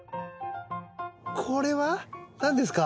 これは何ですか？